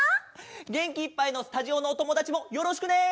げんきいっぱいのスタジオのおともだちもよろしくね！